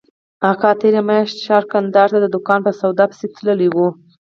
اکا تېره مياشت ښار کندهار ته د دوکان په سودا پسې تللى و.